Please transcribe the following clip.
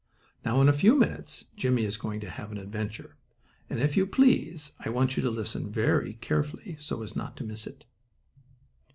Now, in a few minutes Jimmie is going to have an adventure, and, if you please, I want you to listen very carefully, so as not to miss it.